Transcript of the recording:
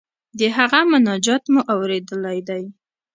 د هغه مناجات مو اوریدلی دی.